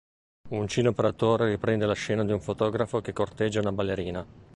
Un cine-operatore riprende la scena di un fotografo che corteggia una ballerina.